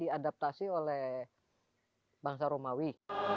diadaptasi oleh bangsa romawi